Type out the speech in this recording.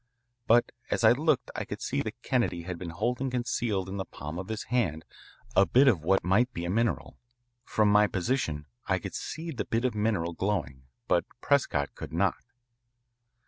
But as I looked I could see that Kennedy had been holding concealed in the palm of his hand a bit of what might be a mineral. From my position I could see the bit of mineral glowing, but Prescott could not.